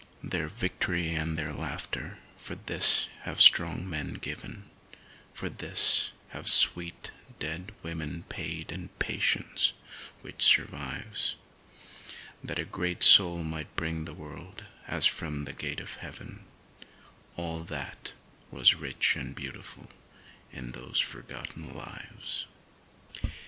Their victory and their laughter for this have strong men given, For this have sweet, dead women paid in patience which survives — That a great soul might bring the world, as from the gate of heaven, All that was rich and beautiful in those forgotten lives.